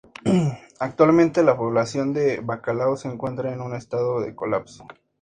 Actualmente, la población de bacalao se encuentra en un estado de colapso.